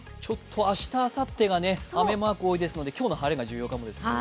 明日、あさってが雨マーク多いですので、今日の晴れが重要かもですね。